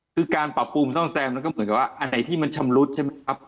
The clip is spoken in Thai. คือการปรับปรุงซ่อมแซมมันก็เหมือนกับว่าอันไหนที่มันชำรุดใช่ไหมครับ